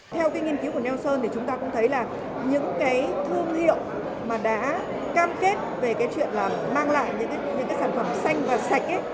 theo nghiên cứu của nelson chúng ta cũng thấy là những thương hiệu mà đã cam kết về chuyện mang lại những sản phẩm xanh và sạch